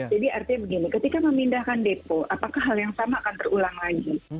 artinya begini ketika memindahkan depo apakah hal yang sama akan terulang lagi